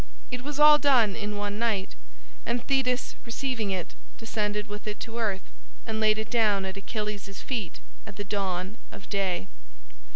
It was all done in one night, and Thetis, receiving it, descended with it to earth, and laid it down at Achilles' feet at the dawn of day.